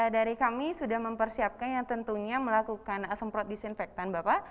dari kami sudah mempersiapkan yang tentunya melakukan semprot disinfektan bapak